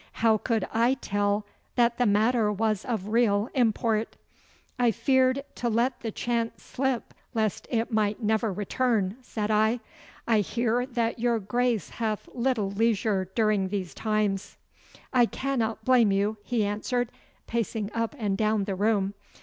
How could I tell that the matter was of real import?' 'I feared to let the chance slip lest it might never return,' said I. 'I hear that your Grace hath little leisure during these times.' 'I cannot blame you,' he answered, pacing up and down the room.